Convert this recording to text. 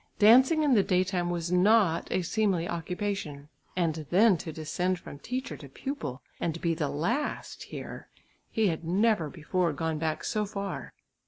Dancing in the day time was not a seemly occupation. And then to descend from teacher to pupil, and be the last here; he had never before gone back so far.